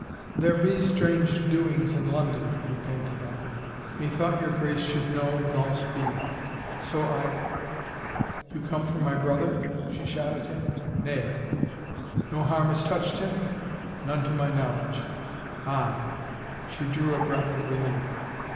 " There be strange doings in London," he panted out; "methought your Grace should know with all speed. So I —"" You come from my brother ?" she shot at him. « Nay —"" No harm has touched him ?"" None to my knowledge." " Ah I " she drew a breath of relief.